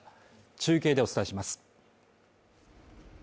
中継でお伝えします。